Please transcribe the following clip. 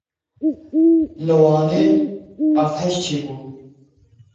Li Wanê erdhej çêbû.